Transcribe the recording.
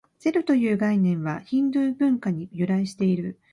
ゼロという概念は、ヒンドゥー文化に由来している。